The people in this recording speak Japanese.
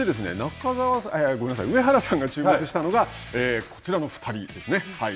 そしてですね上原さんが注目したのがこちらの２人ですね。